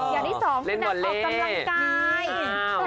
อย่างที่สองคือนักออกกำลังกาย